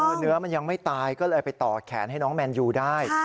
คือเนื้อมันยังไม่ตายก็เลยไปต่อแขนให้น้องแมนยูได้